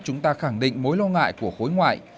hẳn định mối lo ngại của khối ngoại